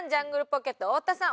ポケット太田さん